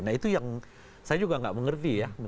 nah itu yang saya juga nggak mengerti ya